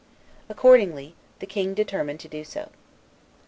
Accordingly, the king determined so to do.